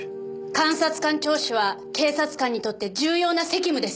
監察官聴取は警察官にとって重要な責務です。